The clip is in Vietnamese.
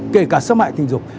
kể cả xâm hại tình dục